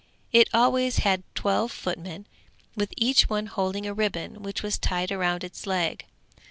It always had twelve footmen, with each one holding a ribbon which was tied round its leg.